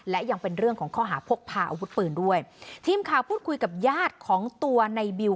และยังเป็นเรื่องของข้อหาพกพาอาวุธปืนด้วยทีมข่าวพูดคุยกับญาติของตัวในบิว